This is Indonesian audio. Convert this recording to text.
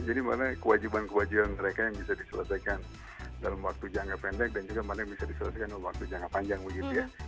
jadi mana kewajiban kewajiban mereka yang bisa diselesaikan dalam waktu jangka pendek dan juga mana yang bisa diselesaikan dalam waktu jangka panjang begitu ya